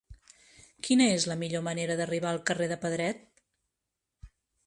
Quina és la millor manera d'arribar al carrer de Pedret?